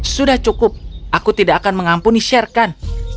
sudah cukup aku tidak akan mengampuni sherkan